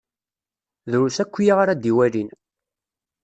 Drus akya ara d-iwalin.